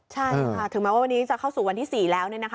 ใช่ค่ะถึงแม้ว่าวันนี้จะเข้าสู่วันที่๔แล้ว